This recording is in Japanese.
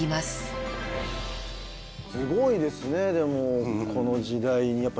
すごいですねでもこの時代に。